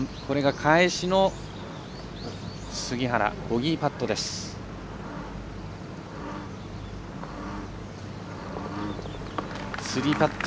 返しの杉原、ボギーパット。